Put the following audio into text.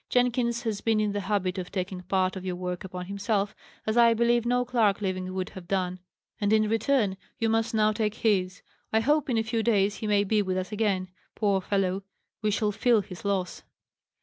Jenkins has been in the habit of taking part of your work upon himself, as I believe no clerk living would have done; and, in return, you must now take his. I hope in a few days he may be with us again. Poor fellow, we shall feel his loss!"